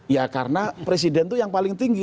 ya karena presiden itu yang paling tinggi